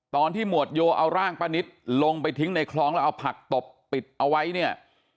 ตอนที่หมวดโยเอาร่างปะนิดลงไปทิ้งในคลองแล้วเอาผักตบปิดเอาไว้